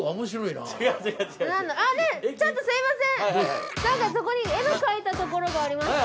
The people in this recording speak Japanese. ◆なんかそこに、絵の描いた所がありますよ。